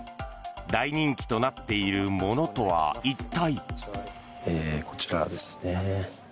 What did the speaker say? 大人気となっているものとは一体？